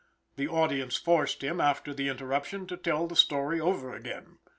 The audience forced him, after the interruption, to tell the story over again.